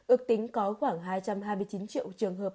ước tính có khoảng hai trăm hai mươi chín triệu trường hợp